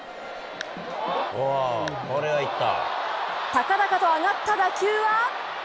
高々と上がった打球は？